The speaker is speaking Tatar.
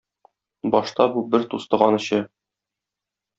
Башта бу бер тустаган эчә.